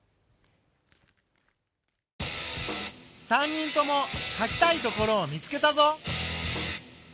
３人ともかきたいところを見つけたぞ。